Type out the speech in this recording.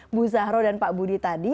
ibu zahro dan pak budi tadi